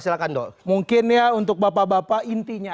silakan dong mungkin ya untuk bapak bapak intinya